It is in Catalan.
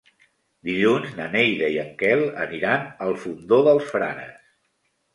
Dilluns na Neida i en Quel aniran al Fondó dels Frares.